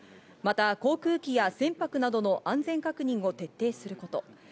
また航空機や船舶などの安全確認を徹底すること。